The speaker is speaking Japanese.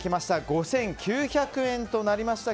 ５９００円となりました。